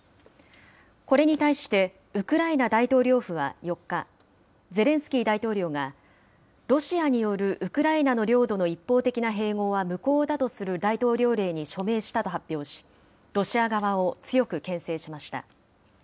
これに対して、ウクライナ大統領府は４日、ゼレンスキー大統領が、ロシアによるウクライナの領土の一方的な併合は無効だとする大統領令に署名したと発表し、ロシア側を強くけん制しました。